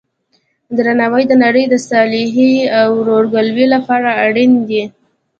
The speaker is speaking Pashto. درناوی د نړۍ د صلحې او ورورګلوۍ لپاره اړین دی.